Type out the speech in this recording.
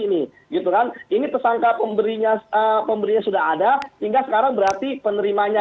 ini gitu kan ini tersangka pemberinya pemberian sudah ada hingga sekarang berarti penerima nya